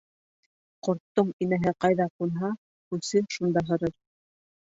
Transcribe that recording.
Ҡорттоң инәһе ҡайҙа ҡунһа, күсе шунда һырыр.